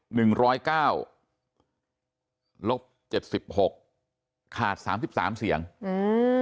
หนึ่งร้อยเก้าลบเจ็ดสิบหกขาดสามสิบสามเสียงอืม